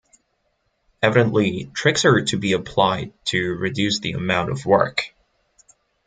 Evidently tricks are to be applied to reduce the amount of work.